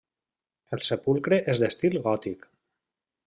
El sepulcre és d'estil gòtic.